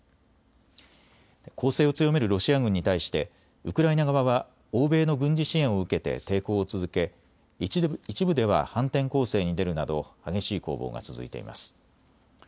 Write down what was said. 攻勢を強めるロシア軍に対してウクライナ側は欧米の軍事支援を受けて抵抗を続け、一部では反転攻勢に出るなど激しい攻防が続いています。